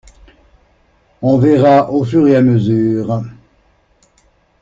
On verra au fur et à mesure.